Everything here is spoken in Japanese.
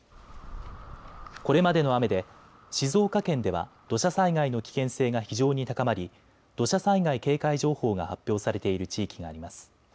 これまでの雨で静岡県では土砂災害の危険性が非常に高まり土砂災害警戒情報が発表されている地域があります。